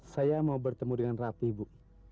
saya mau bertemu dengan ratih ibu